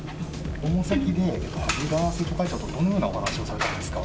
訪問先で萩生田政調会長とどのようなお話をされたんですか？